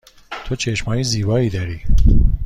تو چشم های زیبایی داری.